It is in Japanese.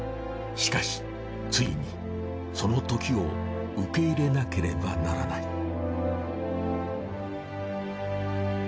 しかしついにそのときを受け入れなければならない。